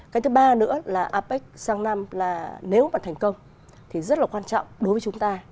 cái thứ ba nữa là apec sang năm là nếu mà thành công thì rất là quan trọng đối với chúng ta